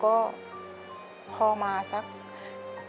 ขอเอ็กซาเรย์แล้วก็เจาะไข่ที่สันหลังค่ะ